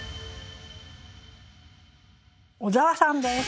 小沢さんです。